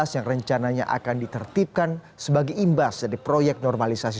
yang rencananya akan ditetipkan sebagai imbas jadi proyek normalisasi